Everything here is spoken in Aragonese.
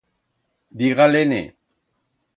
Diga-le-ne.